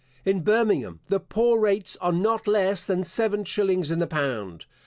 In Birmingham, the poor rates are not less than seven shillings in the pound.